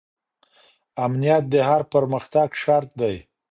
امنیت د هر پرمختګ شرط دی.